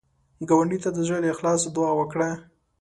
ګاونډي ته د زړه له اخلاص دعا وکړه